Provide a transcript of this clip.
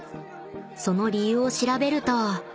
［その理由を調べると］